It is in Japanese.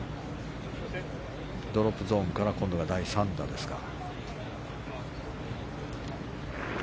ドロップゾーンから第３打ですか。